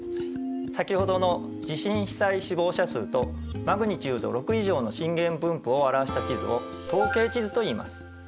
先ほどの地震被災死亡者数とマグニチュード６以上の震源分布を表した地図を統計地図といいます。